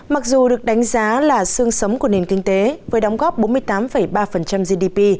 mặc dù được đánh giá là sương sống của nền kinh tế với đóng góp bốn mươi tám ba gdp